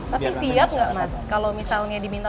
tapi siap nggak mas kalau misalnya diminta